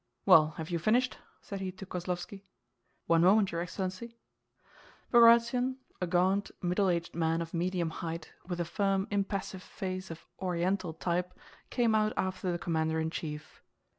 "Well, have you finished?" said he to Kozlóvski. "One moment, your excellency." Bagratión, a gaunt middle aged man of medium height with a firm, impassive face of Oriental type, came out after the commander in chief.